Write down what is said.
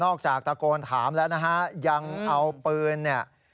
จากตะโกนถามแล้วนะฮะยังเอาปืนเนี่ย